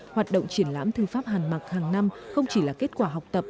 hoạt động triển lãm thư pháp hàn mặc hàng năm không chỉ là kết quả học tập